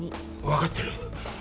わかってる。